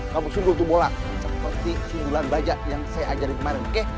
kamu sungguh tumbolak seperti sungguhan baja yang saya ajarin kemarin oke